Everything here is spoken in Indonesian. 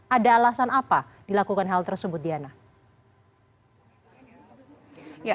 ada alasan apa dilakukan hal tersebut diana